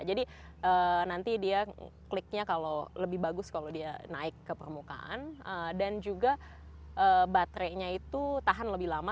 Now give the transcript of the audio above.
jadi nanti dia kliknya kalau lebih bagus kalau dia naik ke permukaan dan juga baterainya itu tahan lebih lama